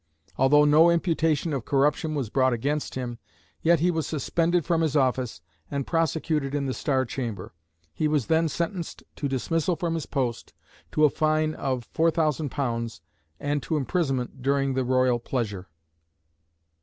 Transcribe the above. Although no imputation of corruption was brought against him, yet he was suspended from his office, and prosecuted in the Star Chamber. He was then sentenced to dismissal from his post, to a fine of £4000, and to imprisonment during the Royal pleasure."